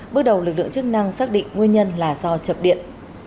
bước đầu lực lượng chức năng xác định nguyên nhân là do chập điện